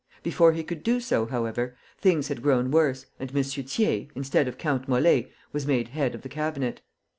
Before he could do so, however, things had grown worse, and M. Thiers, instead of Count Molé, was made head of the Cabinet.